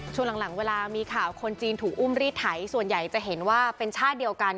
ช่วงหลังเวลามีข่าวคนจีนถูกอุ้มรีดไถส่วนใหญ่จะเห็นว่าเป็นชาติเดียวกัน